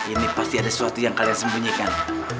ini pasti ada sesuatu yang kalian sembunyikan